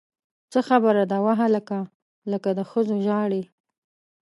څه خبره ده وهلکه! لکه د ښځو ژاړې!